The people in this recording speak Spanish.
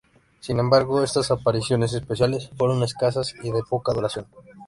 Sin embargo, estas apariciones especiales, fueron escasas y de poca duración.